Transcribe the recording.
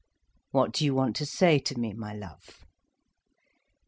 "What do you want to say to me, my love?"